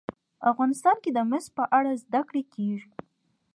افغانستان کې د مس په اړه زده کړه کېږي.